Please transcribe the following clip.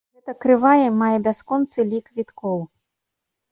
Гэта крывая мае бясконцы лік віткоў.